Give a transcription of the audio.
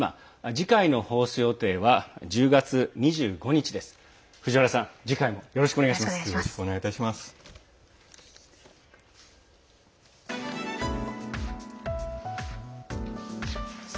次回の放送予定は１０月２５日です。